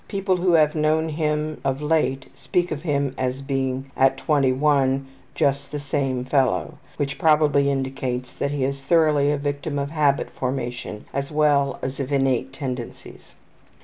People who have known him of late speak of him as being at 21 ``just the same fellow,'' which probably indicates that he is thoroughly a victim of habit formation as well as of innate tendencies.